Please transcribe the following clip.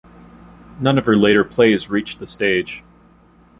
None of her later plays reached the stage.